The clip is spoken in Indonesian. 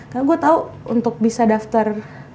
karena gue tau untuk bisa daftar